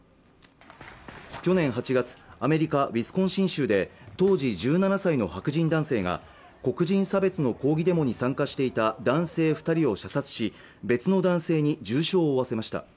去年８月アメリカウィスコンシン州で当時１７歳の白人男性が黒人差別の抗議デモに参加していた男性二人を射殺し別の男性に重傷を負わせました